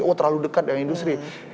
oh terlalu dekat dengan industri